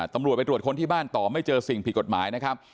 ตำรวจไปตรวจคนที่บ้านต่อไม่เจอสิ่งผิดกฎหมายนะครับ